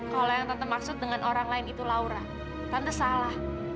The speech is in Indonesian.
kalau yang tante maksud dengan orang lain itu laura tante salah